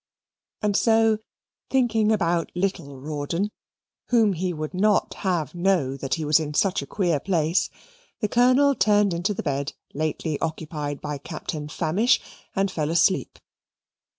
And so, thinking about little Rawdon (whom he would not have know that he was in such a queer place), the Colonel turned into the bed lately occupied by Captain Famish and fell asleep.